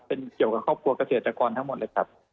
เป็นเกี่ยวกับครอบครัวเกษตรกรทั้งหมดเลยครับ